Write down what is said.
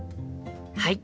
はい！